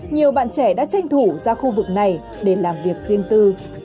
nhiều bạn trẻ đã tranh thủ ra khu vực này để làm việc riêng tư